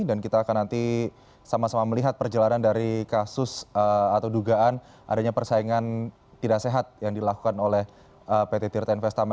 dan kita akan nanti sama sama melihat perjalanan dari kasus atau dugaan adanya persaingan tidak sehat yang dilakukan oleh pt tirta investama